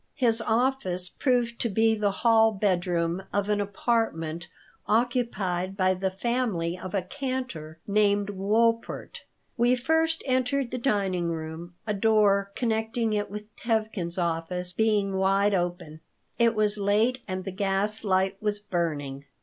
His office proved to be the hall bedroom of an apartment occupied by the family of a cantor named Wolpert. We first entered the dining room, a door connecting it with Tevkin's "office" being wide open. It was late and the gas light was burning.